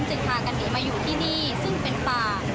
พากันหนีมาอยู่ที่นี่ซึ่งเป็นป่า